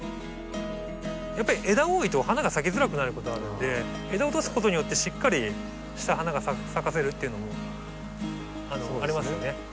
やっぱり枝多いと花が咲きづらくなることがあるので枝落とすことによってしっかりした花が咲かせるっていうのもありますよね。